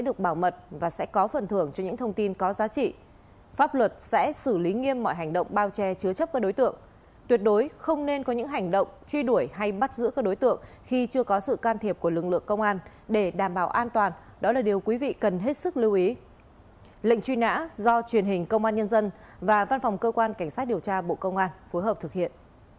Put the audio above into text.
định truy nã do truyền hình công an nhân dân và văn phòng cơ quan cảnh sát điều tra bộ công an phối hợp thực hiện